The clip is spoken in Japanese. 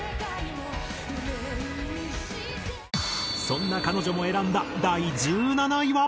そんな彼女も選んだ第１７位は。